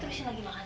terusin lagi makan